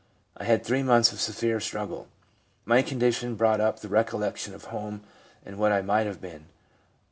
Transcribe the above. I had three months of severe struggle. My condition brought up the recollection of home, and what I might have been.